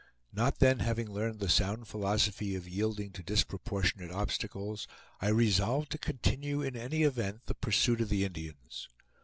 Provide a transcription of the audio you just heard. Not then having learned the sound philosophy of yielding to disproportionate obstacles, I resolved to continue in any event the pursuit of the Indians.